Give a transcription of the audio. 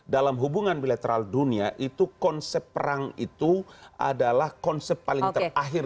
dalam hubungan bilateral dunia itu konsep perang itu adalah konsep paling terakhir